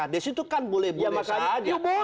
di situ kan boleh biasa saja